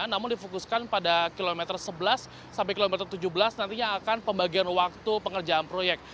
namun difokuskan pada kilometer sebelas sampai kilometer tujuh belas nantinya akan pembagian waktu pengerjaan proyek